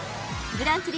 ブランチ